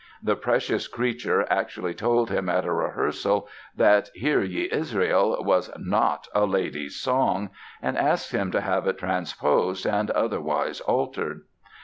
The precious creature actually told him at a rehearsal that "Hear Ye, Israel" was "not a lady's song," and asked him to have it transposed and otherwise altered.